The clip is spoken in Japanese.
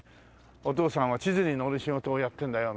お父さんは地図に載る仕事をやってんだよみたいなさ。